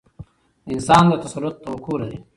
د انسان د تسلط توقع لري.